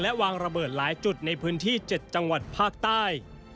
วางระเบิดหลายจุดในพื้นที่๗จังหวัดภาคใต้